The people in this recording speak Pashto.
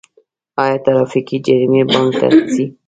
آیا ټرافیکي جریمې بانک ته ځي؟